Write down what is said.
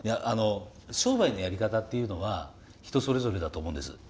商売のやり方っていうのは人それぞれだと思うんです。